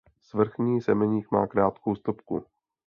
Svrchní semeník má krátkou stopku.